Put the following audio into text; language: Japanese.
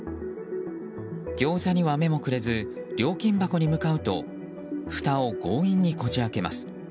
ギョーザには目もくれず料金箱に向かうとふたを強引にこじ開けます。